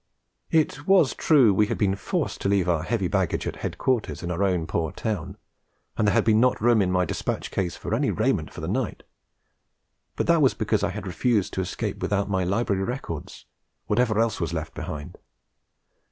It was true we had been forced to leave our heavy baggage at headquarters in our own poor town; and there had not been room in my despatch case for any raiment for the night. But that was because I had refused to escape without my library records, whatever else was left behind.